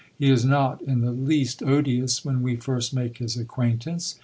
He is not in the least odious when we first make his acquaintance.